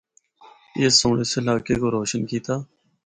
اس سنڑ اس علاقے کو روشن کیتا۔